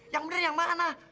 yang bener yang mana